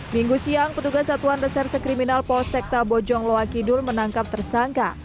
minggu siang petugas satuan reserse kriminal polsekta bojong loakidul menangkap tersangka